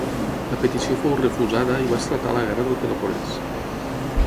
La petició fou refusada i va esclatar la guerra del Peloponès.